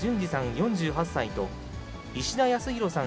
４８歳と、石田康広さん